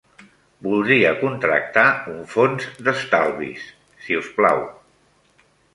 Voldria contractar un fons d'estalvis, si us plau.